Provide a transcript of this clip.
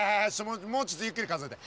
もうちょっとゆっくり数えて。